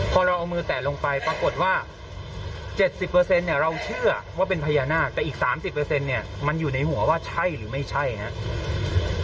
พอเราเอามือแตะลงไปปรากฏว่า๗๐เนี่ยเราเชื่อว่าเป็นพญานาคแต่อีก๓๐เนี่ยมันอยู่ในหัวว่าใช่หรือไม่ใช่ครับ